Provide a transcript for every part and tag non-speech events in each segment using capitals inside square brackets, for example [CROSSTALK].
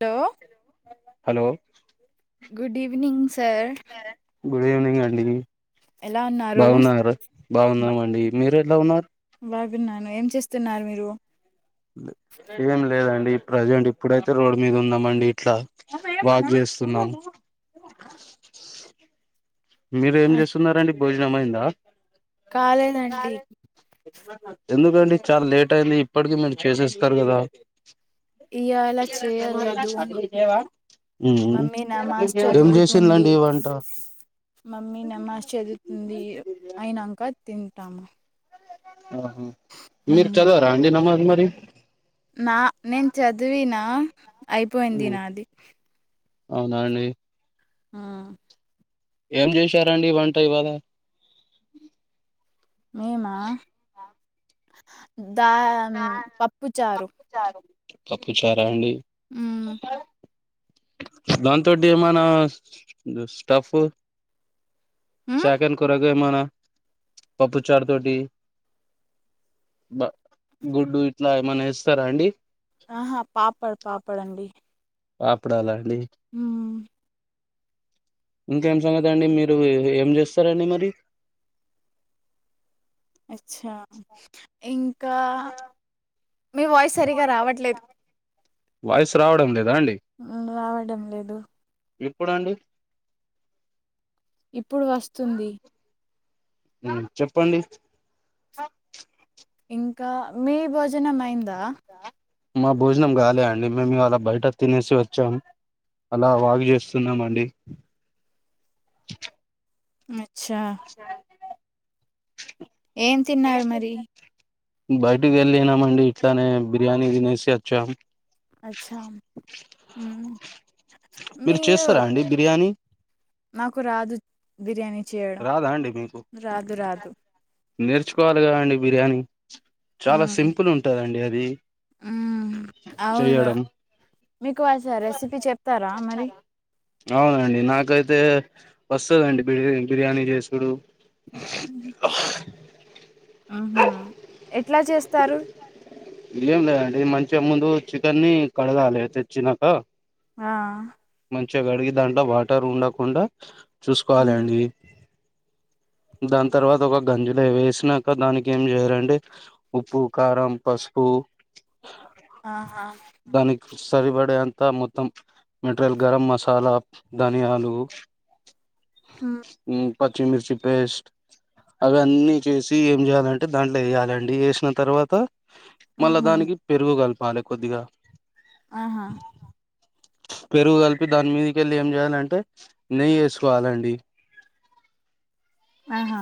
Do. Hello. Good evening sir. Good evening అండి ఎలా ఉన్నారు బాగున్నారు. బాగున్నామండి మీర్ ఎట్లా ఉన్నార్. బాగున్నాను ఏం చేస్తున్నారు మీరు. ఏం లేదండి. ప్రజెంట్ ఇప్పుడైతే రోడ్ మీద ఉన్నామండి ఇట్లా వాక్ చేస్తున్నాన్. మీరేం ఆ, చేస్తున్నారండి భోజనమైందా. కాలేదండి. ఆహా ఎందుకండి చాలా లేట్ అయింది ఇప్పటికి [UNINTELLIGIBLE] చేసేస్తారు గదా. ఇయాల చేయలేదు [UNINTELLIGIBLE] ఉ మమ్మీ నమాజ్ డుం చదువుతుంది జేసిందండి వంట. మమ్మీ నమాజ్ చదువుతుంది అయినంకా తింటాము. ఆహ మీరు మ్మ్. చదవరా అండి నమాజ్ మరి. నా నేన్ చదివిన అయిపోయింది ఉమ్ నాది. అవునా అండి. ఆ. ఏం చేశారండి వంట ఇవాళా. మీమా దాన్ పప్పు చారు. చారు పప్పు చారా అండి. దాంతోటి ఏమైన స్టఫ్. చాకన్ కూరగా ఏమనా పప్పు చారు తోటి. బ గుడ్డు ఇట్లా ఏమనాస్తారా అండి. ఆహా పాపడ్ పాపడండి పాపుడాల అండి ఉ ఇంకేం సంగతండి మీరు ఏం చేస్తారండి మరి అచ్చా ఇంకా మీ వాయిస్ తెల్స వాయిస్ రావడం లేదా అండి రావడం లేదు ఇప్పుడండి ఇప్పుడు వస్తుంది ఉ చెప్పండి ఇంకా మీ భోజనం అయ్యిందా మా భోజనం కాలే అండి మేము అలా బయట తినేసి వచ్చాము అలా వాగు చేస్తున్నాము అండి అచ్చా ఏం తిన్నారు మరి [UNINTELLIGIBLE] బయటికి వెళ్ళినమ అండి ఇట్లనే బిర్యానీ తినేసి వచ్చాం అచ్చా ఉ మీరు చేస్తారా అండి బిర్యానీ నాకు రాదు బిర్యానీ చేయడం రాదా అండి మీకు రాదు రాదు నేర్చుకోవాలి కదా అండి బిర్యానీ చాలా సింపుల్ ఉంటదండి అది ఉమ్ అవును చేయడం మీకు అస రెసిపీ చెప్తారా మరి అవునండి నాకైతే వస్తదండి బిర్ బిర్యానీ చేసుడు ఆహా ఎట్లా చేస్తారు ఏం లేదండి మంచిగా ముందు చికెన్ ని కడగాలి తెచ్చినాక ఆ మంచి కడిగి దాంట్లో వాటర్ ఉండకుండా చూసుకోవాల మ్మ్. అండి దాని తర్వాత ఒక గంజులో వేసినాక దానికి ఏం చేయాలండి ఉప్పు, కారం, పసుపు ఆహా దానికి సరిపడే అంత మొత్తం మెటరియల్ గరం మసాలా, ధనియాలు మ్మ్. ఉ పచ్చిమిర్చి పేస్ట్ అవి అన్నీ చేసి ఏం చేయాలంటే దాంట్లో వేయాలండి వేసిన తర్వాత మళ్ళా మ్హూ. దానికి పెరుగు గలపాలి కొద్దిగా ఆహా పెరుగు కలిపి దాని మీదకెళ్ళి ఏం చేయాలంటే నెయ్యి వేసుకోవాలండి ఆహా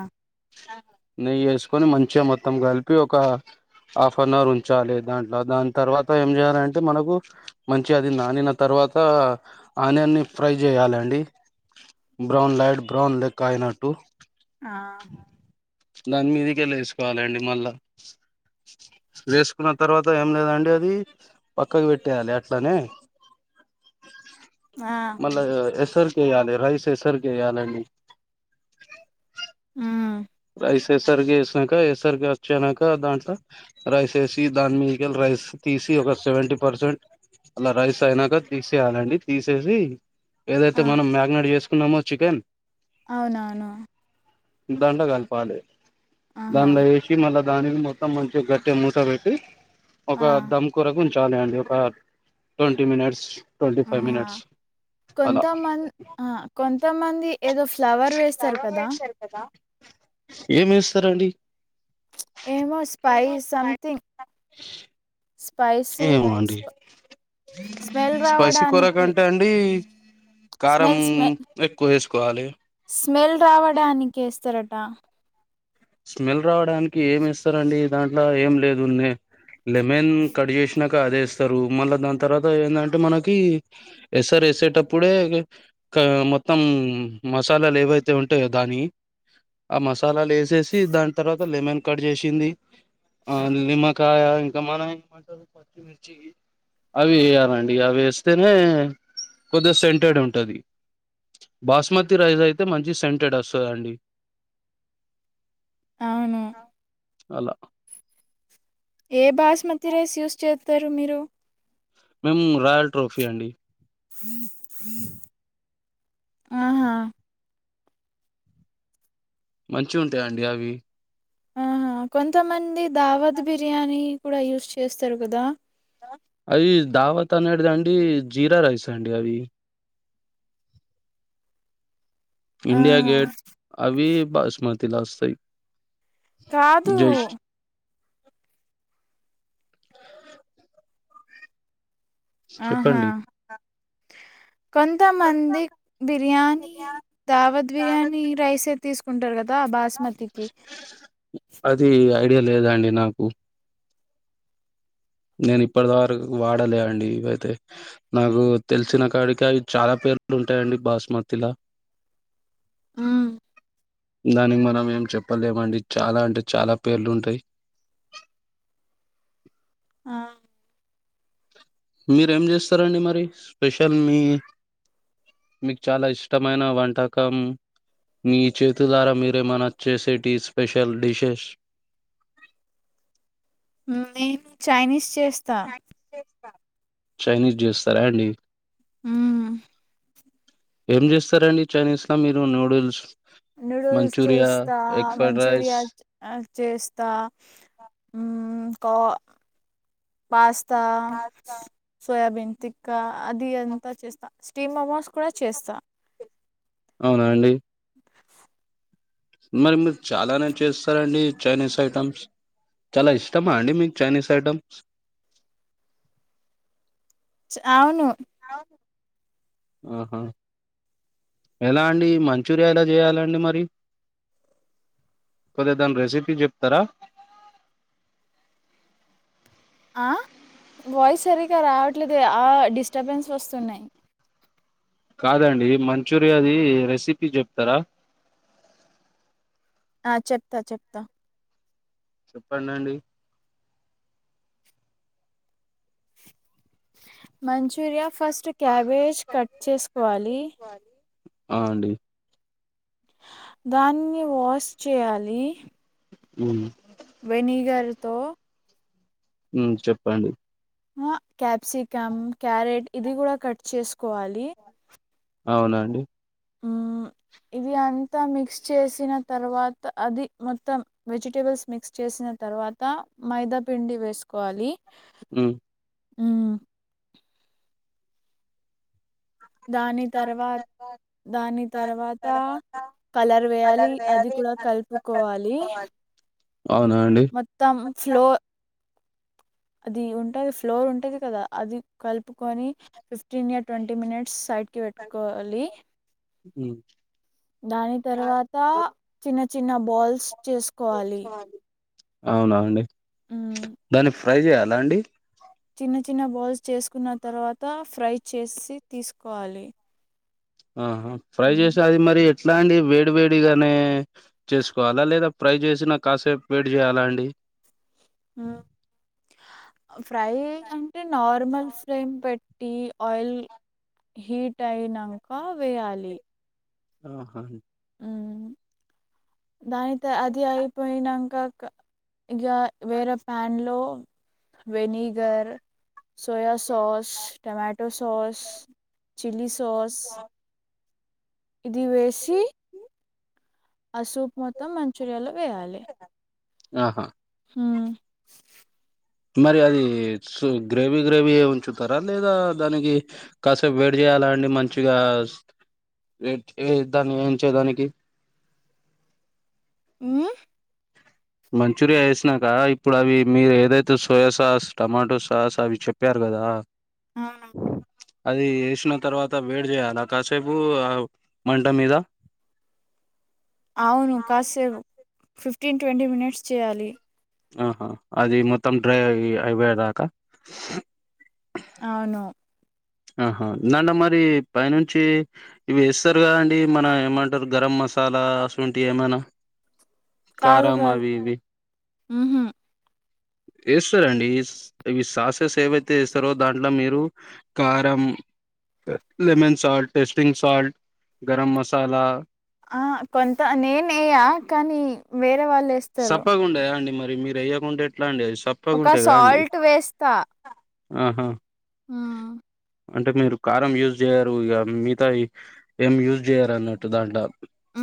నెయ్యి వేసుకొని మంచిగా మొత్తం కలిపి ఒక హాఫ్ అన్ అవర్ ఉంచాలి దాంట్లో దాని తర్వాత ఏం చేయాలి అంటే మనకు మంచిగా తిన్న నిన్న తర్వాత ఆనియన్ని ఫ్రై చేయాలండి బ్రౌన్ లైట్ బ్రౌన్ లెక్ అయినట్టు ఆ దాని మీదికెళ్ళి వేసుకోవాలండి మళ్ళా వేసుకున్న తర్వాత ఏం లేదండి అది పక్కకి పెట్టేయాలి అట్లనే ఆ ఎసర్కేయాలి రైస్ ఎసర్కేయాలాండి ఉమ్ రైస్ ఎసరిగి ఎేస్నాక ఎసర్గ అచ్చనంక దాంట్లో రైస్ ఎసి దాని మిదికెళ్ళి రైస్ తీసి ఒక సెవెంటీ పర్సెంట్ అలా రైస్ అయినాక తీసేయాలండి తీసేసి ఏదైతే ఆ. మనం మ్యాగిననేట్ చేసుకున్నామో చికెన్ అవునవును దాంట్లో కాల్పాలి ఆహా దండ ఏసి మళ్ళా దానిని మొత్తం మంచి గట్టగా మూత పెట్టి ఒక ఆ. ధామ్ కొరకు ఉంచాలే అండి ఒక ట్వంటీ మినిట్స్ ట్వంటీ ఫైవ్ ఆహ మినిట్స్ అలా కొంతమంద్ కొంతమంది ఏదో ఫ్లవర్ వేస్తారు కదా! ఏం వేస్తారండి ఏమో స్పై సంథింగ్ స్పైసీ ఏమో అండి స్పా స్మెల్ రావడానికి అీ కారం స్మెల్ స్మె ఎక్కువ ఎసుకోవాలి స్మెల్ రావడానికి ఎస్తారట స్మెల్ రావడానికి ఏం ఇస్తారండి దాంట్లో ఏం లేదునే లెమన్ కట్ చేసినాక అదేస్తారు మళ్ళా దాని తర్వాత ఏందంటే మనకి ఎసర్ ఎసేటప్పుడే ఒక మొత్తం మసాలాలు ఏవైతే ఉంటాయో దానియి ఆ మసాలాలు ఎసేసి దాని తర్వాత లెమన్ కట్ చేసింది ఆ నిమ్మక్ కాయ ఇంకా మనం ఏమంటారు పచ్చిమిర్చి అవి వేయాలండి అవి వేస్తేనే కొద్దిగా సెంటెడ్ ఉంటాది బాస్మతి రైస్ అయితే మంచి సెంటెడ్ ఆస్తాదండి అవును అలా ఏ బాస్మతి రేస్ యూస్ చేత్తారు మీరు మేం రాయల్ ట్రోఫీ అండి ఉ ఉ ఆహా మంచిగుంటాయండి అవి ఆహా కొంతమంది దావద్ బిర్యానీ కూడా యూస్ చేస్తారు కదా అవి దావత్ ఆనేటిదండి జీరా రైస్ అండి అవి ఆ! ఇండియా గేట్ అవి బాస్మృతిలా ఆస్తాయి కాదు స్ ఆహా! చెప్పండి కొంతమంది బిర్యానీ దావత్ బిర్యానీ రైస్ ఎత్ తీసుకుంటారు కదా బాస్మతికి అది ఐడియా లేదాండి నాకు నేను ఇప్పటి వరకు వాడలే అండి ఇవైతే నాకు తెలిసిన కాడికి అవి చాలా పేర్లు ఉంటాయండి బాస్మతి లా ఉ దానికి మనం ఏం చెప్పలేమండి చాలా అంటే చాలా పేర్లు ఉంటాయి ఆ మీరేం చేస్తారండి మరి స్పెషల్ మీ మీకు చాలా ఇష్టమైన వంటకం మీ చేతుల ద్వారా మీరేమైనా చేసేటి స్పెషల్ డిషెస్ నేను చైనీస్ చేస్తా చైనీస్ చేస్తారా అండి ఉమ్ ఏం చేస్తారండి చైనీస్లో మీరు నూడిల్స్ నూడిల్స్ మంచూరియా చేస్తా ఎగ్ ఫ్రైడ్ రైస్ మంచూరియా అది చేస్తా కో పాస్తా సోయాబీన్ తిక్కా అది అంతా చేస్తా స్టీమ్ అమోస్ కూడా చేస్తాను అవునాండి మరి మీరు చాలానే చేస్తారండి చైనీస్ ఐటమ్స్ చాలా ఇష్టమాండి మీకు చైనీస్ ఐటెమ్స్ అవును ఆ ఆహ ఎలా అండి మంచూరియా ఎలా చేయాలండి మరి కొద్దిగా దాని రెసిపీ చెప్తారా ఆ వాయిస్ సరిగా రావట్లేదు ఆ డిస్టర్బెన్స్ వస్తున్నాయి కాదండి మంచూరియాది రెసిపీ చెప్తారా ఆ చెప్తా చెప్తా చెప్పడండి మంచూరియా ఫస్ట్ క్యాబేజ్ కట్ చేసుకోవాలి ఆ అండి దాన్ని వాష్ చేయాలి ఉ వెనిగర్తో ఊ చెప్పండి ఆ క్యాప్సికం క్యారెట్ ఇది కూడా కట్ చేసుకోవాలి అవునా అండి ఇది అంతా మిక్స్ చేసిన తర్వాత అది మొత్తం వెజిటేబుల్స్ మిక్స్ చేసిన తర్వాత త మైదా పిండి వేసుకోవాలి ఉ ఉమ్ దాని తర్వాత దాని తర్వాత కలర్ వేయాలి అది కూడా కలుపుకోవాలి అవునాండి మొత్తం ఫ్లో అది ఉంటుంది ఫ్లోర్ ఉంటుది కదా అది కలుపుకొని fifteen to twenty minutes side కి వెట్కోవాలి ఉ దాని తర్వాత చిన్న చిన్న బాల్స్ చేసుకోవాలి అవునా అండి మ్మ్ దాన్ని ఫ్రై చేయాలా అండి చిన్న చిన్న బౌల్స్ చేసుకున్న తర్వాత ఫ్రై చేసి తీసుకోవాలి ఆహ ఫ్రై మ్మ్ చేసి అది మరి ఎట్లా అండి వేడి వేడిగానే చేసుకోవాలా లేదా ఫ్రై చేసిన కాసేపు వేడి చేయ్యాలా అండి ఆ ఫ్రై అంటే నార్మల్ ఫ్లేమ్ పెట్టి ఆయిల్ హీట్ అయినాక వేయాలి ఆఓహా ఉ దాని త అది అయిపోయినంకా ఇజ వేరే ప్యాన్ లో vinegar soya sauce tomato sauce chilli sauce ఆ ఇది వేసి ఆ సూప్ మొత్తం మంచూరియాలో వేయాలి ఆహా ఉ మరి అది సు గ్రేవీ గ్రేవీ గా ఉంచుతారా లేదా దానికి కాసేపు వేడి చేయాలా అండి మంచిగా దాన్ని ఉంచేదానికి ఉమ్ మంచూరియా వేసినాక ఇప్పుడు అవి మీరు ఏదైతే సోయా సాస్ టొమాటో సాస్ అవి చెప్ప చెప్పారు కదా అవును అది వేసిన తర్వాత వేడీ చేయాలి కాసేపు ఆ మంట మీద అవును కాసేపు ఫిఫ్టీన్ ట్వంటీ మినిట్స్ చేయాలి ఆహా అది మొత్తం డ్రై అయి అవే దాకా అవును ఆహా ఇందాడ మరి పైనుంచి ఇవి వేస్తారు కద అండి మన ఏమంటారు గరం మసాలా అసువంటి ఏమైనా కాదు కారం కాదు అవి ఇవి ఉహు వేస్తారండి ఇవి సాసెస్ ఏవైతే వేస్తారో దాంట్లో మీరు కారం lemon salt tasting salt garam masala ఆ కొంత నేనయ్య కానీ వేరే వాళ్ళు వేస్త సప్పగాండేయా అండి మరి మీరు అయ్యకుంటే ఎట్లా అండి అ ఒక చప్పగాంటాయి గా అండి సాల్ట్ ఆహా ఆ అంటే మీరు కారం యూజ్ చేయారు ఇక మిగతా ఏం యూజ్ చేయ్యరు అన్నట్టు దాంట్లో ఆ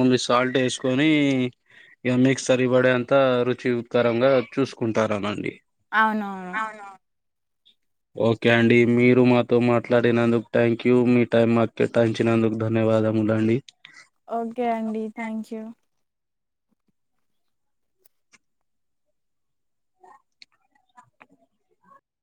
ఓన్లీ సాల్ట్ వేసుకొని ఇక మీక్ సరిబడే అంత రుచికరంగా చూసుకుంటారానండి అవునవును ఓకే అండి మీరు మాతో మాట్లాడినందుకు థ్యాంక్ యూ మీ టైమ్ మాకే కేటా యించినందుకు ధన్యవాదములాండి ఓకే అండి థ్యాంక్ యూ